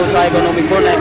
usaha ekonomi bonek